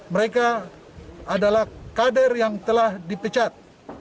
mereka adalah kader yang telah dipecat